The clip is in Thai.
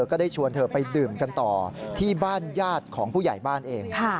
ก็ได้ชวนเธอไปดื่มกันต่อที่บ้านญาติของผู้ใหญ่บ้านเอง